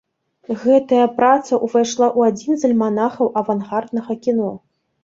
Гэтая праца ўвайшла ў адзін з альманахаў авангарднага кіно.